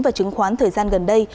và chứng khoán thời gian gần đây